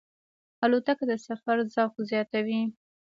الوتکه د سفر ذوق زیاتوي.